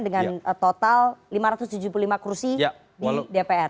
dengan total lima ratus tujuh puluh lima kursi di dpr